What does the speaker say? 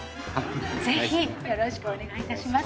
ぜひよろしくお願いいたします。